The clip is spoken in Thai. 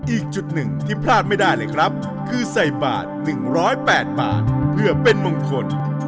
อีกจุดหนึ่งที่พลาดไม่ได้เลยครับคือใส่บาท๑๐๘บาทเพื่อเป็นมงคล